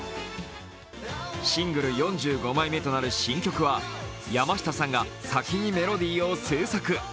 シングル４５枚目となる新曲は、山下さんが先にメロディーを制作。